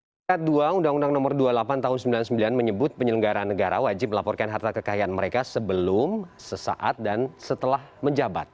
pada tahun dua ribu dua puluh dua undang undang nomor dua puluh delapan tahun seribu sembilan ratus sembilan puluh sembilan menyebut penyelenggaraan negara wajib melaporkan harta kekayaan mereka sebelum sesaat dan setelah menjabat